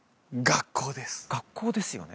学校ですよね